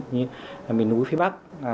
như miền núi phía bắc